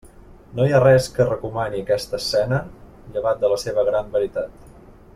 No hi ha res que recomani aquesta escena llevat de la seva gran veritat.